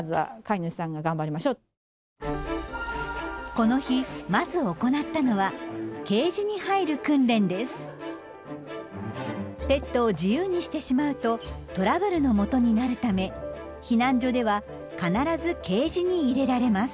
この日まず行ったのはペットを自由にしてしまうとトラブルのもとになるため避難所では必ずケージに入れられます。